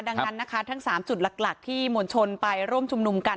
ดังนั้นนะคะทั้ง๓จุดหลักที่มวลชนไปร่วมชุมนุมกัน